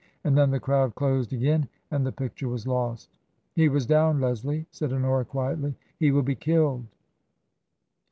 And then the crowd closed again and the picture was lost. " He was down, Leslie," said Honora, quietly ;" he will be killed."